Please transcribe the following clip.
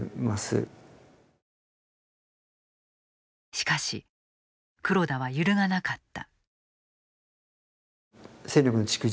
しかし黒田は揺るがなかった。